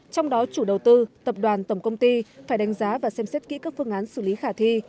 trong đó chủ đầu tư tập đoàn tổng công ty phải đánh giá và xem xét kỹ các phương án xử lý khả thi